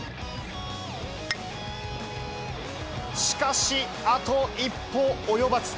しかし、あと一歩及ばず。